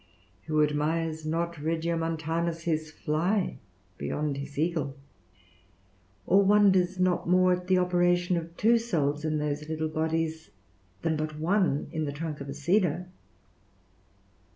Who admires not Regio Montanus his fly beyond his eagle, or wonders not more at the operation of two souls in those little bodies, than but one in the trunk of a cedar?